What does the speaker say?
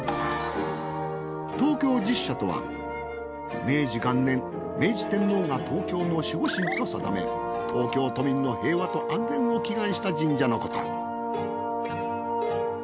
東京十社とは明治元年明治天皇が東京の守護神と定め東京都民の平和と安全を祈願した神社のこと。